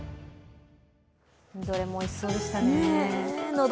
どれもおいしそうでしたね。